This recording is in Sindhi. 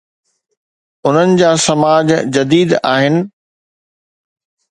انهن جا سماج جديد آهن.